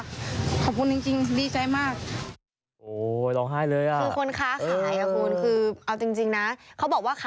ขอบคุณจริงดีใจมาก